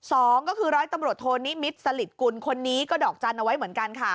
สองก็คือร้อยตำรวจโทนิมิตรสลิดกุลคนนี้ก็ดอกจันทร์เอาไว้เหมือนกันค่ะ